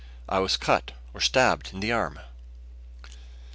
I was cut, or stabbed, in the arm."